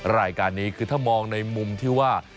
รายการนี้คือถ้ามองในมุมที่ว่า